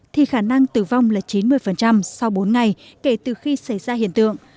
thì khả năng tử vong là chín mươi sau bốn ngày kể từ khi xảy ra hiện tượng